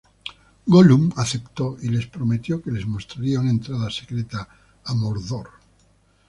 Gollum aceptó y les prometió que les mostraría una entrada secreta a Mordor.